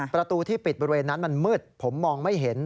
ประตูที่ปิดบริเวณนั้นมันมืดผมมองไม่เห็น